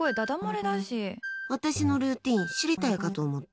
私のルーティン知りたいかと思って。